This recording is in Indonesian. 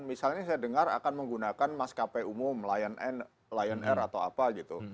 misalnya saya dengar akan menggunakan maskapai umum lion air atau apa gitu